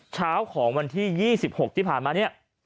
เช้าของวันที่๒๖ที่ผ่านมาเนี่ย